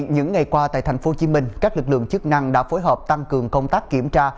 những ngày qua tại tp hcm các lực lượng chức năng đã phối hợp tăng cường công tác kiểm tra